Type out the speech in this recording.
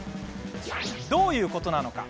どういうことなのか？